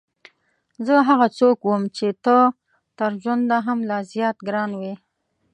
زه هغه څوک وم چې ته تر ژونده هم لا زیات ګران وې.